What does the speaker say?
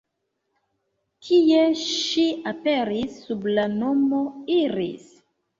Tie ŝi aperis sub la nomo Iris.